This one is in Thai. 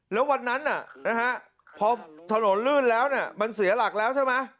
แล้ววันนั้นพอถนนลื่นแล้วมันเสียหลักแล้วใช่ไหม